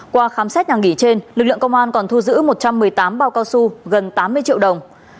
qua khám xét nhà nghỉ trên lực lượng công an còn thu giữ một trăm một mươi tám bao cao su gần tám mươi triệu đồng